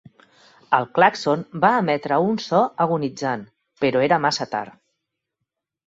El clàxon va emetre un so agonitzant, però era massa tard.